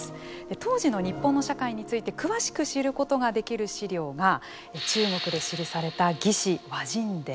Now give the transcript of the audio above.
当時の日本の社会について詳しく知ることができる資料が中国で記された「魏志倭人伝」。